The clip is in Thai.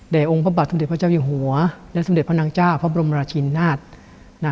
แด่องค์ประบัติสำเด็จพระเจ้าอย่างหัวและสำเด็จพระนางจ้าพระบรมราชินทร์นาศน์